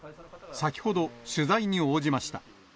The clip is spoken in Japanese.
先ほど、取材に応じました。